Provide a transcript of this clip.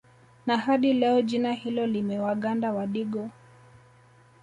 Na hadi leo jina hilo limewaganda Wadigo